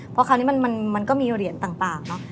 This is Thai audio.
เพราะคราวนี้มันก็มีเหรียญต่างเนอะ